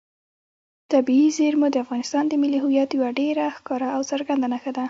طبیعي زیرمې د افغانستان د ملي هویت یوه ډېره ښکاره او څرګنده نښه ده.